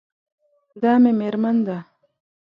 دا مې میرمن ده